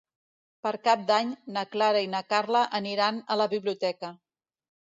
Per Cap d'Any na Clara i na Carla aniran a la biblioteca.